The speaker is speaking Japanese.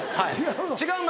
違うの？